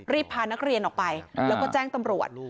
พานักเรียนออกไปแล้วก็แจ้งตำรวจ